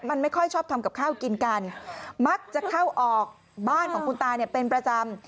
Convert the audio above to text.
มันไม่ค่อยชอบทำกับข้าวกินกันมักจะเข้าออกบ้านของคุณตาเนี่ยเป็นประจำ